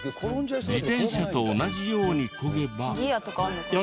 自転車と同じようにこげば。